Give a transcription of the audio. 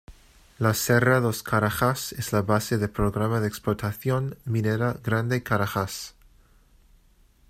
La Serra dos Carajás es la base del programa de explotación minera Grande Carajás.